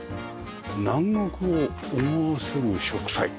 南国を思わせる植栽。